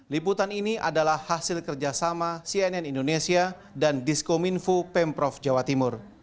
liputan ini adalah hasil kerjasama cnn indonesia dan diskominfo pemprov jawa timur